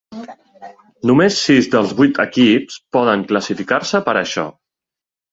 Només sis dels vuit equips poden classificar-se per això.